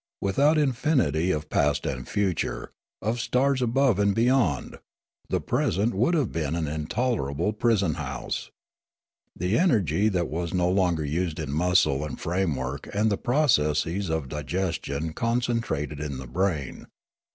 Without infinity of past and future, of stars above and beyond, the present would have been an intolerable prison house. The energy that was no longer used in muscle and framework and the processes of digestion concentrated in the brain.